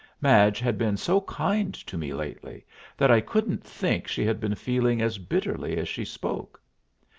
Madge had been so kind to me lately that I couldn't think she had been feeling as bitterly as she spoke.